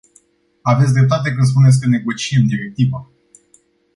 Aveți dreptate când spuneți că negociem directiva.